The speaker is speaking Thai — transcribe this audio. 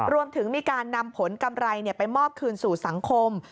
รวมถึงมีการนำผลกำไรไปมอบคืนสู่สังคม